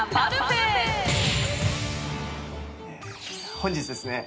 本日ですね